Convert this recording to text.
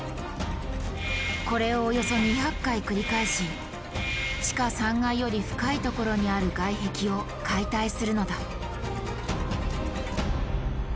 これをおよそ２００回繰り返し地下３階より深いところにある外壁を解体するのだ。